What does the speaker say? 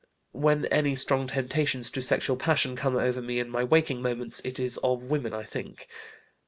When any strong temptations to sexual passion come over me in my waking moments, it is of women I think.